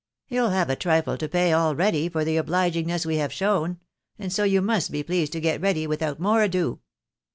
You'll have a trifle to pay already for the obligingness we have shown, and so you must be pleased to get ready without more ado."